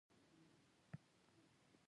په دې بحثونو کې ټینګار کېده